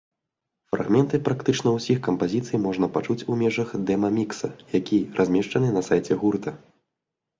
Фрагменты практычна ўсіх кампазіцый можна пачуць у межах дэма-мікса, які размешчаны на сайце гурта.